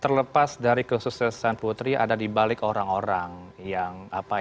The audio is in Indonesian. terlepas dari kesuksesan putri ada dibalik orang orang yang apa ya